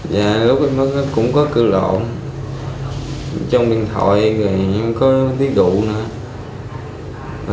dạ lúc em mất cũng có cư lộn trong điện thoại em có tiếng đụ nữa